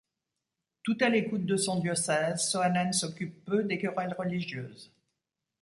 Tout à l’écoute de son diocèse, Soanen s’occupe peu des querelles religieuses.